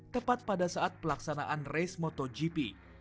tepat pada saat pelaksanaan race motogp